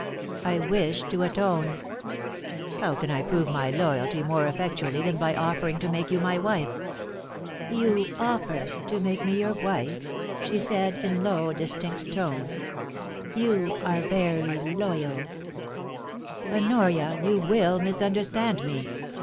I wish to atone. How can I prove my loyalty more effectually than by offering to make you my wife ?...'* You offer to make me your wife,' she said, in low, distinct tones. * You are very ioyalJ * Honoria, you will misunderstand me.